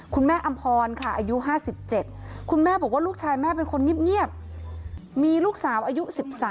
คุณแม่อำพรอายุ๕๗คุณแม่บอกแล้วลูกชายแม่เป็นคนเงี๊บมีลูกสาวอายุ๑๓